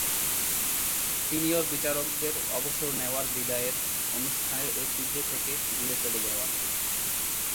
Senior বিচারকদের অবসর নেওয়ার বিদায়ের অনুষ্ঠানের ঐতিহ্য থেকে দূরে চলে যাওয়া।